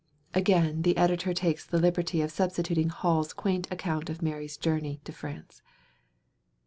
[Again the editor takes the liberty of substituting Hall's quaint account of Mary's journey to France.